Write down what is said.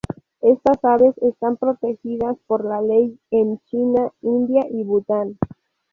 Estas aves están protegidas por la ley en China, India y Bután.